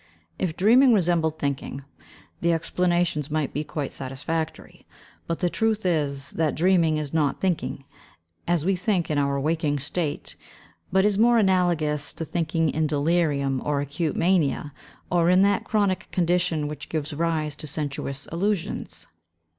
If dreaming resembled thinking, the explanations might be quite satisfactory; but the truth is, that dreaming is not thinking, as we think in our waking state, but is more analogous to thinking in delirium or acute mania, or in that chronic condition which gives rise to sensuous illusions.